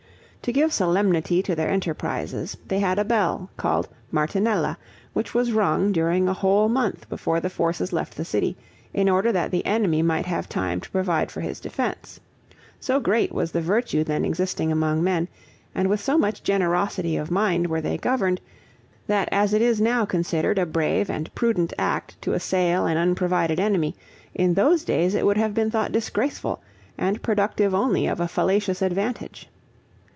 To give solemnity to their enterprises, they had a bell called Martinella, which was rung during a whole month before the forces left the city, in order that the enemy might have time to provide for his defense; so great was the virtue then existing among men, and with so much generosity of mind were they governed, that as it is now considered a brave and prudent act to assail an unprovided enemy, in those days it would have been thought disgraceful, and productive only of a fallacious advantage.